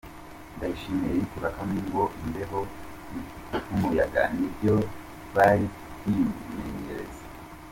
Ndayishimiye Eric Bakame ngo imbeho n’umuyaga nibyo bari kwimenyereza